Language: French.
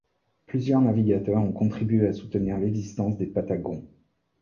Plusieurs navigateurs ont contribué à soutenir l'existence des Patagons.